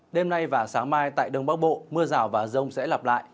đêm nay và sáng mai tại đông bắc bộ mưa rào và rông sẽ lặp lại